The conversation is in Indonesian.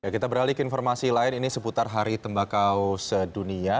kita beralih ke informasi lain ini seputar hari tembakau sedunia